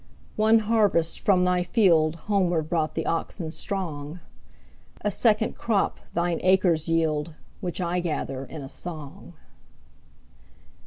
One harvest from thy fieldHomeward brought the oxen strong;A second crop thine acres yield, Which I gather in a song.